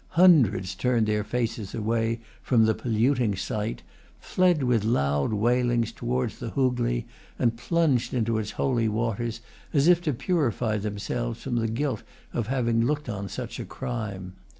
Hundreds turned away their faces from the polluting sight, fled with loud wailings towards the Hoogley, and plunged into its holy waters, as if to purify themselves from the guilt of having looked on such a crime.